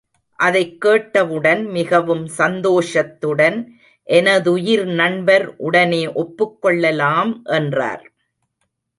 அதைக் கேட்டவுடன் மிகவும் சந்தோஷத்துடன் எனதுயிர் நண்பர் உடனே ஒப்புக்கொள்ளலாம் என்றார்.